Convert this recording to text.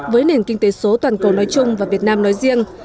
với nền kinh tế số toàn cầu nói chung và việt nam nói riêng